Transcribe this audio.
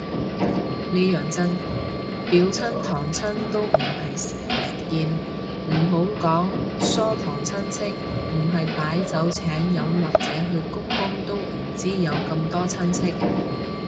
呢樣真，表親堂親都唔係成日見，唔好講疏堂親戚，唔係擺酒請飲或者去鞠躬都唔知有咁多親戚